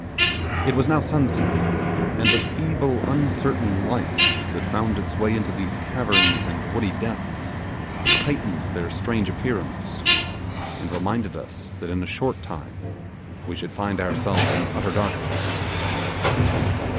It was now sunset, and the feeble uncertain light that found its way into these caverns and woody depths heightened their strange appearance, and reminded us that in a short time we should find ourselves in utter darkness.